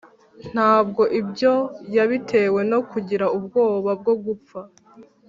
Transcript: ntabwo ibyo yabitewe no kugira ubwoba bwo gupfa